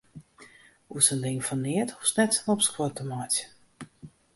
Oer sa'n ding fan neat hoechst net sa'n opskuor te meitsjen.